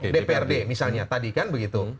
dprd misalnya tadi kan begitu